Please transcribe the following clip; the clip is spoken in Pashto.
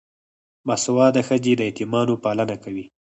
باسواده ښځې د یتیمانو پالنه کوي.